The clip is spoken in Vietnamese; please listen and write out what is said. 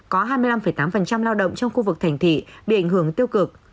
có hai mươi năm tám lao động trong khu vực thành thị bị ảnh hưởng tiêu cực